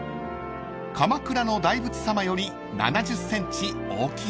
［鎌倉の大仏さまより７０ｃｍ大きいんだそう］